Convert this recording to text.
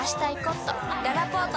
ららぽーと